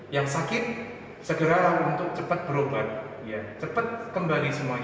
yang sakit segeralah untuk cepat berobat cepat kembali semuanya